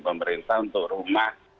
pemerintah untuk rumah